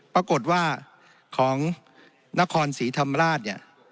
ปรากฏว่าของนครศรีธรรมราชเนี่ย